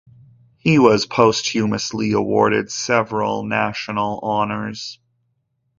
He was posthumously awarded several national honours.